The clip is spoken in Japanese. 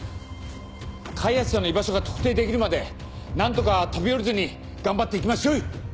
開発者の居場所が特定できるまで何とか飛び降りずに頑張って行きまっしょい。